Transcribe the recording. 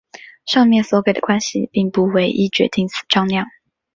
上面所给的关系并不唯一决定此张量。